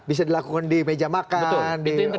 bisa dilakukan di meja makan di warung kopi